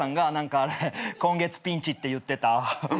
「今月ピンチ」って言ってた。